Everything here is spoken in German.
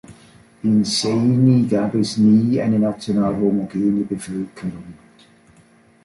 In Sejny gab es nie eine national homogene Bevölkerung.